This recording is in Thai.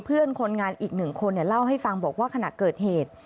เพื่อนคนงานอีกหนึ่งคนเล่าให้ฟังบอกว่าขณะเกิดเหตุ